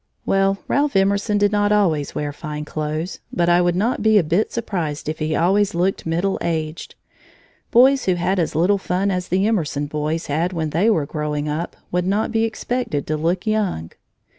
Well, Ralph Emerson did not always wear fine clothes, but I would not be a bit surprised if he always looked middle aged. Boys who had as little fun as the Emerson boys had when they were growing up would not be expected to look young.